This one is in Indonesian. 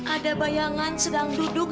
ada bayangan sedang duduk